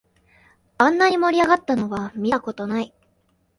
あんなに盛り上がったのは見たことない